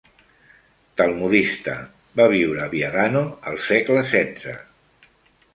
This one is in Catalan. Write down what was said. Talmudista; va viure a Viadano al segle setze.